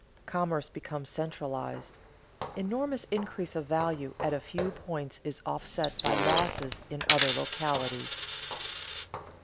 Commerce becomes centralized. Enormous increase of value at a few points is offset by losses in other localities.